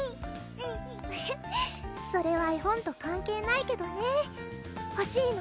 それは絵本と関係ないけどねほしいの？